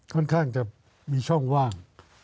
ค่อนข้างจะมีช่องว่าง